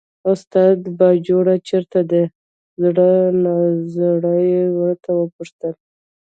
استاده! باجوړ چېرته دی، زړه نازړه ورته وپوښتل.